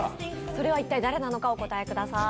それは一体誰なのかお答えください。